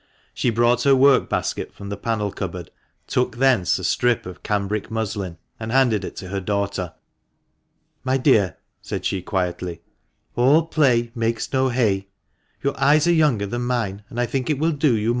She brought her work basket from the panel cupboard, took thence a strip of cambric muslin, and handed it to her daughter. " My dear," said she, quietly, "' all play makes no hay.' Your eyes are younger than mine, and I think it will do you 372 THE MANCHESTER MAN.